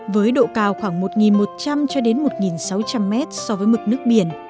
với độ cao khoảng một một trăm linh một sáu trăm linh m so với mực nước biển